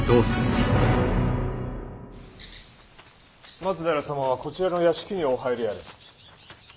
松平様はこちらの屋敷にお入りあれ。